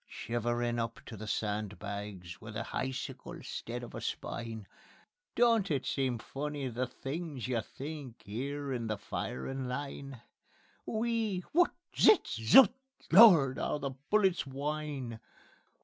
Shiverin' up to the sandbags, With a hicicle 'stead of a spine, Don't it seem funny the things you think 'Ere in the firin' line: _(WHEE! WHUT! ZIZ! ZUT! LORD! 'OW THE BULLETS WHINE!)